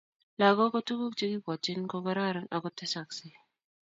langok ko tuguk chekipwatchin ko kararanen ako tesaksei